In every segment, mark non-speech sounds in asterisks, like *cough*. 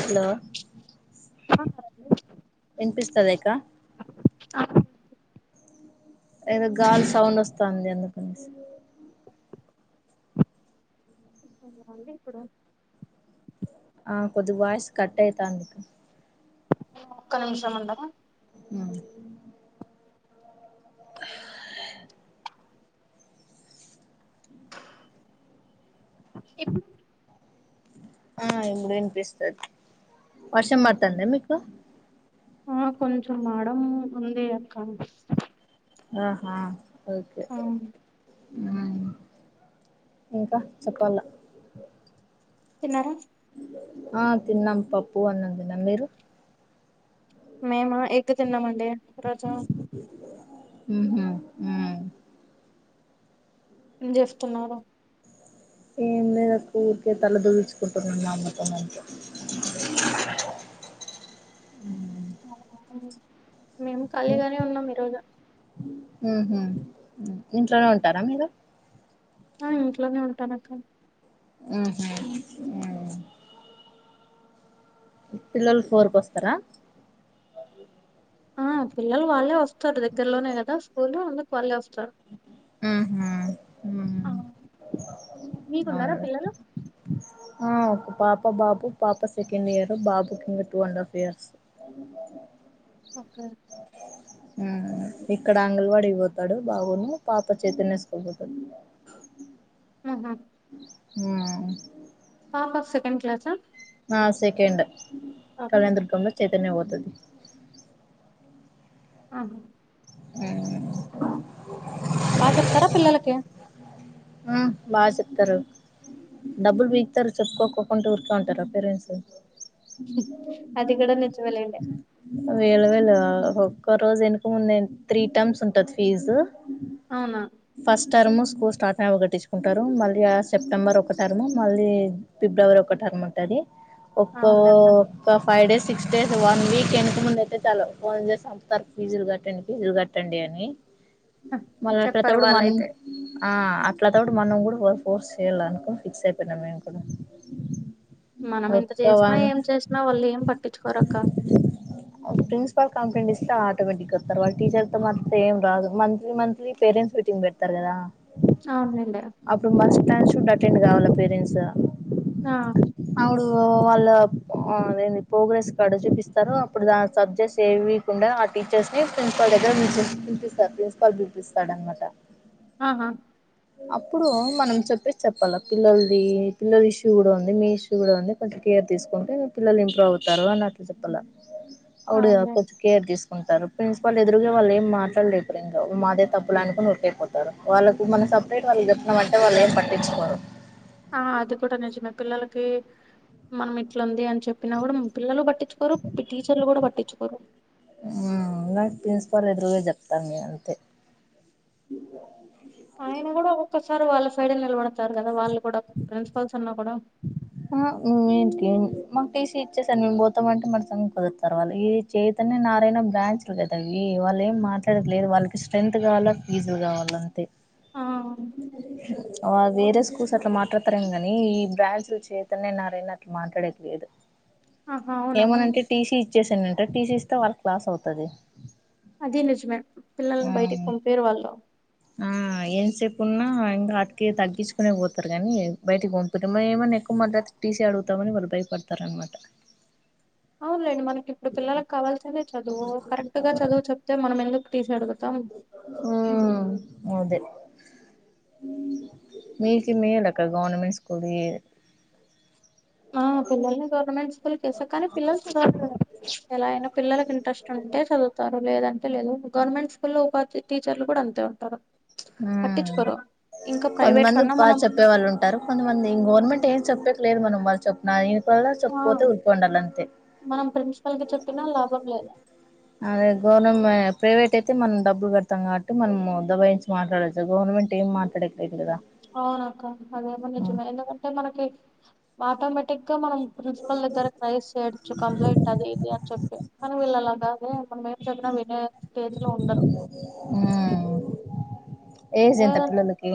Hello కా కారడి వినిపిస్తందికా అ ఏదో గాలి సౌండ్ వస్తంది ఎందుకనేసి మళ్ళీ ఎప్పుడు కొద్దిగా వాయిస్ కట్ అవుతాందుకు ఒక్క నిమిషం ఉండా ఆ ఇప్పు ఆ ఇప్పుడు వినిపిస్తుది వర్షం పడుతుంద మీకు కొంచెం మడం ఉంది అక్క ఆహా ఓకే ఆ ఆ ఇంకా చెప్పాల తిన్నారా ఆ తిన్నాం పప్పు అన్నం తినం మీరు మేమా ఎగ్ తిన్నామండి ఈ రోజు ఉహు ఉహు ఏం చేస్తున్నారు ఏం లేద అక్క ఊరికే తల దూగచుకుంటున్నా మా అమ్మ తోటి అంతె మేము ఖాళీగానే ఉన్నాం ఈరోజు ఉహు ఇంట్లోనే ఉంటారా మీరు ఆ ఇంట్లోనే ఉంటాను అక్క ఉహు పిల్లలు ఫోర్ క వస్తారా ఆ పిల్లలు వాళ్ళే వస్తారు దగ్గరలోనే కదా స్కూల్ లో అందుకు వాళ్ళే వస్తారు మ్ హు ఆ మ్ మీకున్నారా పిల్లలు ఆ ఒక పాప బాబు పాప సెకండ్ ఇయర్ బాబు కింగ two and half years *inaudible* okay ఆ ఇక్కడ ఆంగల్వాడి ఇ పోతాడు బాబుని పాప చైతన్య స్కూల్కి పోతుంది మ్ హు వా పాప సెకండ్ క్లాసా ఆ సెకండ్ ఓకే కళ్యాణ దుర్గంలో చైతన్య పోతది ఆదే మ్ బా చెప్తారా పిల్లలకి బా చెప్తారు. డబ్బులు బీకుతారు చెప్పుకోక్కకుంటే ఊరికే ఉంటారా పేరెంట్స్ అది కూడా నిజమేలేండి వేల వేల ఒక్క రోజు వెనక ముందే త్రీ టర్మ్స్ ఉంటది ఫీజు అవునా ఫస్ట్ టెర్ము స్కూల్ స్టార్ట్న గట్టించుకుంటారు మళ్ళీ ఆ సెప్టెంబర్ ఒక టర్మ్ మళ్ళీ ఫిబ్రవరి ఒక టర్మ్ ఉంటది ఒక్కో అవునక్క ఒక five days six days one week ఎనక ముందు అయితే చాలు ఫోన్ జేసా వత్తర్ ఫీజులు కట్టండి ఫీజులు కట్టండి అని అ చెప్ ఆ తవుడ్ మనీ ఆ అట్లా తవుడు మనం కూడా వోర్ ఫోర్స్ చేయాల అనుకుని ఫిక్స్ అయిపోయినాం మేము కూడా మనం ఎంత ఒక్క చేసినా వన్ ఏం చేసినా వాళ్ళు ఏం పట్టించుకోరక్క ప్రిన్సిపాల్ కంప్లైంట్ ఇస్తే ఆటోమేటిక్గా వత్తరు వాళ్ళు టీచర్తో మాట్లాడితే ఏం రాదు మంత్లీ మంత్లీ పేరెంట్స్ మీటింగ్ పెడతారు కదా అవునండి అప్పుడు మంచి క్లాస్ షూట్ అటెండ్ కావాలీ పేరెంట్స్ ఆ డు వాళ్ళ అదేంది ప్రోగ్రెస్ కార్డు చూపిస్తారు అప్పుడు ఆ సబ్జెక్ట్స్ ఏవి ఉండా ఆ టీచర్స్ని ప్రిన్సిపాల్ దగ్గర పిలిపిస్తారు ప్రిన్సిపాల్ పిలిపిస్తాడనమాట ఆహా అప్పుడు మనం చెప్పేసి చెప్పాల పిల్లల్ది పిల్లల ఇష్యూ కూడా ఉంది మీ ఇష్యూ కూడా ఉంది కొంచం కేర్ తీసుకుంటే పిల్లలు ఇంప్రూవ్ అవుతారు అన్నట్లు చెప్పాల అప్పుడు అవునులేండి చెప్పచ్చు కేర్ తీసుకుంటారు ప్రిన్సిపాల్ ఎదురుగ వాళ్ళు ఏం మాట్లాడలే సరింగ మాదే తప్పులు అనుకుని ఉరికైపో తరు వాళ్ళకు మనం సెపరేట్ వాళ్ళకి చెప్పినమంటే వాళ్ళు ఏం పట్టించుకోరు ఆ అది కూడా నిజమే పిల్లలకి మనం ఇట్లుంది అని చెప్పినా కూడా పిల్లలు బట్ ట్టించుకోరు టిచర్లు కూడా పట్టించుకోరు ఆ నాకు ప్రిన్సిపాల్ ఎదురుగ చెప్తా మీ అంతే ఆయన కూడా ఒకొక్కసారి వాళ్ళ సైడే నిలబడతారు కదా వాళ్ళు కూడా ప్రిన్సిపల్స్ అన్నా కూడా ఆ ఏంటి మాకు టీసీ ఇచ్చేసెండి మేము పోతామంటే మడ్సంగ్ కుదుతారు వాళ్ళు ఏ చైతన్య నారాయణ బ్రాంచ్లు కదా అవి వాళ్ళు ఏం మాట్లాడలేదు వాళ్ళకి స్ట్రెంత్ కావాలా ఫీజులు కావాల అంతే ఆ ఆ వేరే స్కూల్స్ అట్లా మాట్లాడతారేం గాని ఈ బ్రాంచ్ చైతన్య నారాయణ అట్లా మాట్లాడేకి లేదు ఆహా అవునా ఏమనంటే టీసీ ఇచ్చేసానుంటే టీసీ ఇస్తే వాళ్ళకి లాస్ అవుతది అది నిజమే పిల్లల్ని బయటకి పంపియరు వాళ్ళు ఆ ఏం సేపు ఉన్నా ఇంకా అటికి తగ్గించుకునే పోతారు కానీ బయటీకి పంపీరు మన ఏమన్నా ఎక్కువ మాట్లాడితే టీసీ అడుగుతామని వాళ్ళు భయపడతారనమాట అవునులేండి మనకి ఇప్పుడు పిల్లలకు కావాల్సింది చదువు కరెక్ట్ గా చదువు చెప్ అంటే మనం ఎందుకు టీసి అడుగుతాం ఉ అదే మీకే మేలక్క గవర్నమెంట్ స్కూలీ ఆ పిల్లల్ని గవర్నమెంట్ స్కూ స్కూల్ కేసా కానీ పిల్లలు చదువుత ఎల అయినా పిల్లలకి ఇంట్రెస్ట్ ఉంటే చదువుతారు లేదంటే లేదు గవర్నమెంట్ స్కూళ్ళోకి వచ్చే టీచర్లు కూడా అంతే ఉంటారు పట్టించుకోరు ఇంకా ప్రైవేట్ కొంతమంది కన్నా బాగా మనం చెప్పే వాళ్ళు ఉంట గవర్నమెంట్ ఏం చెప్పేక్ లేదు మనం వాళ్ళు చెప్ప నా ఇన్పల్లా ఆ చెప్పుపోతే ఉపోండాల అంతే మనం ప్రిన్సిపల్ కి చెప్పినా లాభం లేదు అదే గవర్నమె ప్రైవేట్ అయితే మనం డబ్బులు కడాతం కాబట్టి మనము దబ్బయి మాట్లాడొచ్చు గవర్నమెంట్ ఏం మాట్లాడేకి లేదు కదా అవునక్క అదేమ నిజమే ఎందుకంటే మనకి ఆటోమేటిక్ గా మనం ప్రిన్సిపల్ దగ్గర రైస్ చేయొచ్చు కంప్లైంట్ అది ఇది అని చెప్పి కానీ వీళ్ళు అలాగాదే మనం ఏం చెప్పినా వినే స్టేజ్ లో ఉండరు ఆ ఏజ్ ఎంత పిల్లలకి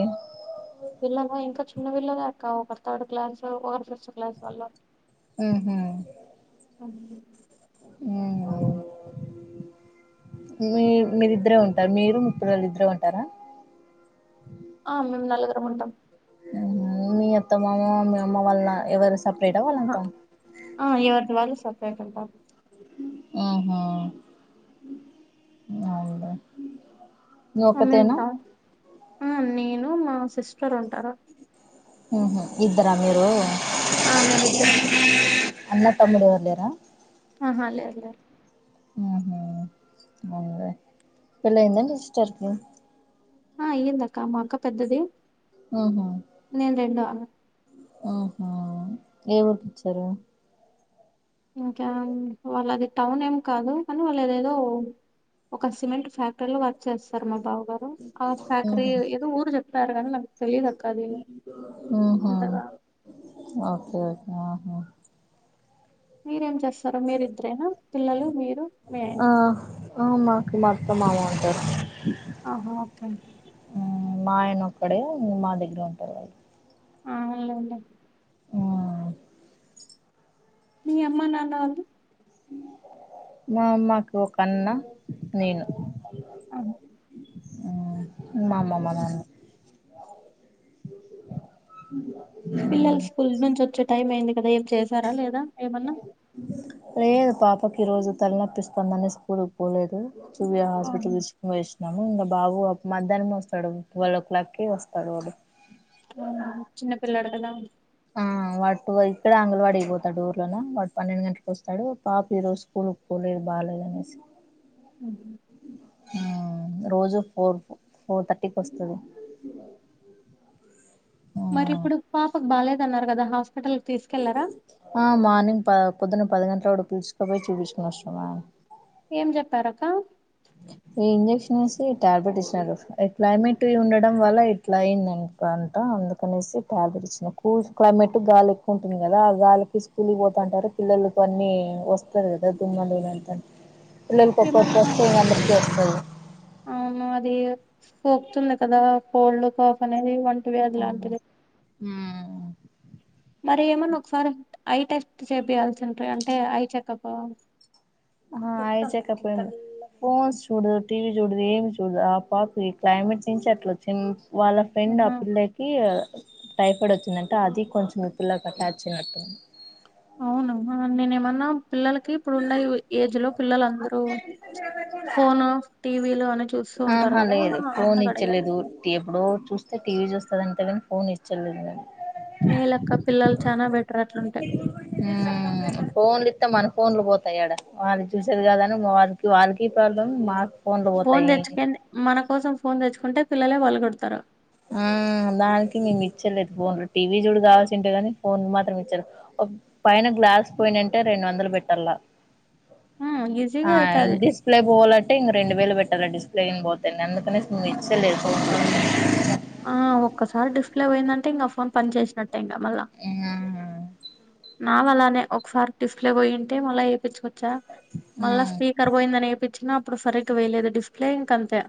పిల్లల ఇంకా చిన్న పిల్లలేక్క ఒకరూ థర్డ్ క్లాస్ ఒకరూ ఫిఫ్త్ క్లాస్ వాళ్ళు ఊహు *inaudible* ఉ మీ మీరిద్దరే ఉంటార మీరు మీ పిల్లలు ఇద్దరే ఉంటారా ఆ మేము నలుగురం ఉంటాం హ్ మీ అత్త మామ మీ అమ్మ వాళ్ళ ఎవరు సపరేటా ఆహా వాళ్ళంతా ఆ ఎవరికి వాళ్ళు సప్రేట్ ఉంటాారు ఆహా అవునలే ఆ, మేము ఒకతేనా టౌన్ ఆ నేను మా సిస్టర్ ఉంటారుా ఉహు ఇద్దార మీరు ఆ మేమిద్దరం అన్న తమ్ముడేవరూ లేరా ఆహా లేరు లేర్ ఆహా అదే పెళ్లయిందా మీ సిస్టర్ కి ఆ అయ్యిందక్క మా అక్క పెద్దది అవునా నేను రెండో ఆమె ఉహో ఏ ఊరికిచ్చారు ఇంకా వాళ్ళది టౌన్ ఏం కాదు కానీ వాళ్ళుదేదో ఒక సిమెంట్ ఫ్యాక్టరీలో వర్క్ చేస్తారు మా బావ గారు ఆ ఫ్యాక్టరీ ఉహు ఏదో ఊరు చెప్తారు కానీ నాకు తెలియదాక్క అది. ఉహూ అంతగా ఓకేఓకే ఆహ్. మీరేం చేస్తారు మీరిద్దరైనా పిల్లలు మీరు మీ ఆయన. ఆహ్ మాకు మా అత్త మామ ఉంటారు. ఆహా ఓకే. మా ఆయన ఒక్కడే మా దగ్గర ఉంటారు. వాళ్ళు అవును లెండి. ఆహ్. మీ అమ్మా నాన్న వాళ్ళు. నా మాకు ఒక అన్న నేను. ఉహూ. ఉమ్ మా అమ్మమ్మ నా. పిల్లలు స్కూల్ నుంచి వచ్చే టైం అయింది కదా ఏం చేశారా లేదా ఏమన్నా. లేదు పాపకి ఈ రోజు తలనొప్పివస్తుందని స్కూల్కి పోలేదు. సూర్య ఆహా హాస్పిటల్ కి చూపించిన. ఇగ బాబు మధ్యాహ్నంమే వస్తాడు ట్వల్వ్ ఓ క్లాకే వస్తాడు వాడు. ఉమ్ చిన్నపిల్లోడు కదా. ఆహ్ వాడు ఇక్కడ అంగణవాడి అయిపోతాడు ఊర్లోనే వాడు పన్నెండు గంటలకు వస్తాడు పాప ఈ రోజు. పోలేదు బాలేదు అనేసి. ఉహు ఉమ్ రోజు ఫోర్ ఫోర్ థర్టీకి వస్తది. మరి ఇప్పుడు పాపకు బాగాలేదన్నారు కదా హాస్పిటల్ కి తీసుకెళ్లరా. ఆహ్ మార్నింగ్ ప పొద్దున్న పది గంటల కూడా పిలుచుకపోయి చూపించుకుని వచ్చిన. ఏం చెప్పారక్క. ఈ ఇంజెక్షన్ వేసి టాబ్లెట్ ఇచ్చినారు ఈ క్లైమేట్ ఉండడం వల్ల ఇట్లా అయిందంటా. అంట అందుకనేసి టాబ్లెట్ ఇచ్చినారు కూల్ క్లైమేట్ గాలి ఎక్కువ ఉంటుంది కదా ఆ గాలికి. స్కూల్ కిపోతుంటారు పిల్లలకి అన్నీ వస్తాది కదా దుమ్న్నలునంతంటా. పిల్లలకి ఒక్కరికి ఏమన్నా వస్తే ఇంకా అందరికీ వస్తది. అవును అది సపుతుంది కదా కోల్డ్ కాఫ్ అనేది అంటువ్యాధి లాంటిది. ఉమ్. మరి ఏమన్నా ఒకసారి ఐ టెస్ట్ చేపియాల్సి ఉంటది అంటే ఐ చెకప్. ఆహ్ ఐ చెకప్యే ఫోన్స్ చూడదు టీవీ చూడదు ఏమి చూడదు ఆ పాపకు క్లైమేట్ చేంజ్కే అట్లా వచ్చింది వాళ్ళ. ఫ్రెండ్ ఆ ఆహా పిల్లకి టైఫాయిడ్ వచ్చిందంట అది కొంచెం ఈ పిల్లకి అటాచ్ అయినట్టుంది. అవును నేనేమన్నా పిల్లలకి ఇప్పుడు ఉన్న ఏజ్ లో పిల్లలందరూ. ఫోను టీవీలు అన్ని చూస్తూ ఉంటారు ఆహా కదా లేదు ఫోన్ అందుకు అడిగా. ఇచ్చలేదు ఎప్పుడో చూస్తే టీవీ చూస్తదంతేగాని ఫోన్ ఇచ్చలేదండి. మేలక్క పిల్లలు చానా బెటర్ అట్లుంటే. ఉమ్ ఫోన్లు ఇస్తే మన ఫోన్లు పోతాయడ వాళ్ళు చూసేది కాదని ఇక వాళ్ళ వాళ్ళకి ప్రాబ్లం మాక్ ఫోన్ తెచ్చుకనే మన కోసం ఫోన్ తెచ్చుకుంటే పిల్లలే పళ్ల కొడతారు. ఆహ్ దానికి మేము ఇచ్చలేదు ఫోన్లు టీవీ చూడు కావాల్సి ఉంటే గాని ఫోన్ మాత్రం ఇచ్చలేదు. పైన గ్లాస్ పోయినుంటే రెండు వందలు పెట్టాల ఉమ్ ఈజీగా ఆహ్ అయితది ఇంగ్లీష్. ప్లే పోవాలంటే ఇంక రెండు వేలు పెట్టాలి డిస్ప్లేయింగ్ పోతే నే అందుకనేసి ఇచ్చేలే *inaudible* ఆ ఒక్కసారి డిస్ప్లే పోయిందంటే ఇంకా ఫోన్ పని చేసినట్టే ఇంకా మళ్ళా *unintelligible* నాది అలానే ఒకసారి డిస్ప్లే పొయ్యింటే మళ్ళా ఎయిపిచ్చుకొచ్చా మళ్ళా మ్మ్ స్పీ కర్ పోయిందని ఎయిపిచ్చినా అప్పుడు సరిగ్గా వెయైయలేదు డిస్ప్లే ఇంక అంతే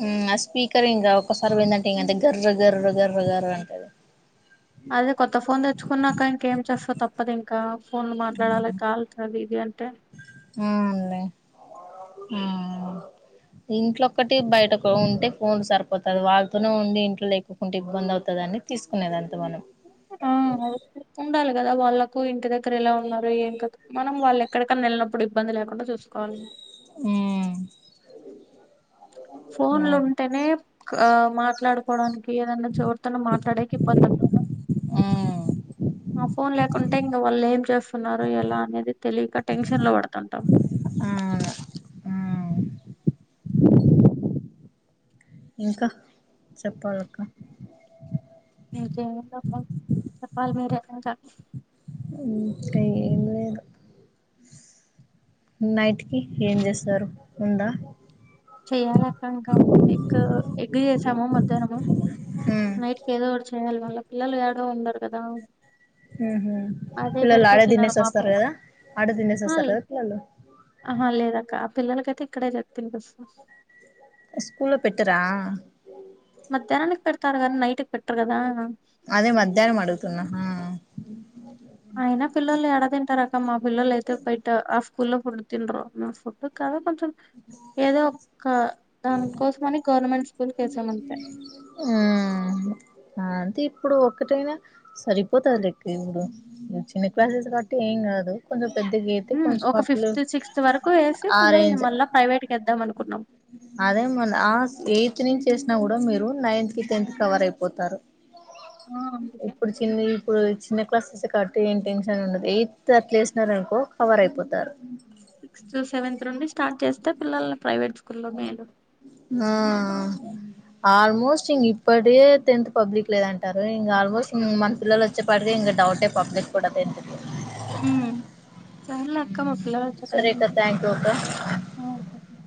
ఉమ్ ఆ స్పీకర్ ఇంకా ఒక్కసారి పోయిందంటే ఇంక అంతే గర్రు గర్రు గర్రు గర్రు అంటది అదే కొత్త ఫోన్ తెచ్చుకున్నాక ఇంకేం చేస్తా తప్పదు ఇంకా ఫోను మాట్లాడాలి కాల్ అది ఇది అంటే ఊ అండి ఊ ఇంట్లో ఒక్కటి బయటకు ఉంటే ఫోన్ సరిపోతది వాళ్ళతోనే ఉండి ఇంట్లో లేకు ఇంటి ఇబ్బంది అవుతాదని తీసుకునేదంతా మనం ఔ ఆ ఉండాలి కదా వాళ్లకు ఇంటి దగ్గర ఎలా ఉన్నారు ఏం కథ మనం వాళ్ళు ఎక్కడికన్నా ఎళ్ళినప్పుడు ఇబ్బంది లేకుండా చూస్ కొన్ ఊ ఫోన్లు ఉంటేనే క్ ఆ మాట్లాడుకోవడానికి ఏదన్నా చోరుతనో మాట్లాడేకి ఇబ్బందం ఆ *inaudible* ఆ ఫోన్ లేకుంటే ఇంకా వాళ్ళు ఏం చేస్తున్నారు ఎలా అనేది తెలియక టెన్షన్ లో పడుతంటాం ఆ ఇంకా చెప్పాలక్క ఇంకేం ఉందబ్బా చెప్పాలి మీరే ఇంకా ఇంక ఏం లేదు నైట్ కి ఏం చేస్తారు ఉందా చెయ్యాలి అక్క ఇంకా ఎగ్ ఎగ్ చేసాము మధ్యాహ్నము ఉమ్ నైట్ కి ఏదో ఒకటి చెయ్యాల వాళ్ళ పిల్లలు యాడో ఉండారు కదా ఊహూ అదే పిల్లలు పెడితే ఆడే తినరు తినేసి మా వస్తారు పిల్ల కదా ఆడే తినేసి ఆ వస్తారు ల్- కదా పిల్లలు ఆహా లేదక్క ఆ పిల్లలకైతే ఇక్కడే చెప్పింది *inaudible* స్కూల్లో పెట్టరా మధ్యానానికి పెడతారు కానీ నైటుకు పెట్టరు కదా అదే మధ్యానం అడుగుతున్నా హా అయినా పిళ్ళోళ్ళు యాడ తింటారు అక్క మా పిల్లలు అయితే బయట ఆ స్కూల్లో ఫుడ్ తినరు *inaudible* ఫుడ్ కదా కొంచెం ఏదో ఒక్క దాని కోసం అని గవర్నమెంట్ స్కూల్ కు వేసాం అంతే ఆ అంతే ఇప్పుడు ఒక్కటైనా సరిపోతాది లెక్ ఇ *inaudible* చిన్న క్లాసెస్ యే కాబట్టి ఏం కాదు కొంచం పెద్ద గే ఉమ్ ఒక ఫిఫ్త్ సిక్స్త్ వరకూ ఏసి పిల్లల్ని మళ్ళా ప్రైవేట్ కి ఏద్దాం అనుకున్నాం అదేం ఉంది ఆస్ ఎయిత్ నుంచి ఏసినా కూడా మీరు నైన్త్ కి టెన్త్ కి కవర్ అయిపోతారు ఆ అందుకే ఇప్పుడు చిన్నయి ప్పుడు చిన్న క్లాసెస్ యే కాబట్టి ఏం టెన్షన్ ఉండదు ఎయిత్ అట్లు ఏసినారు అనుకో కవర్ అయిపోతారు సిక్స్త్ సెవెంత్ నుండి స్టార్ట్ చేస్తే పిల్లల్ని ప్రైవేట్ స్కూల్లో మెయిన్ ఆ ఆల్మోస్ట్ ఇంక ఇప్పటే టెన్త్ పబ్లిక్ లేదంటారు ఇంగ ఆల్మోస్ట్ మన పిల్లలు చ్చేపాటికి ఇంగా డౌటే పబ్లిక్ కూడా టెంత్ అవునులే అక్క మా పిల్లలొచ్చే టైం థ్యాంక్ యూ అక్క కి *inaudible*